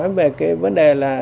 nói về cái vấn đề là